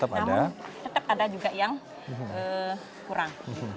tetap ada namun tetap ada juga yang kurang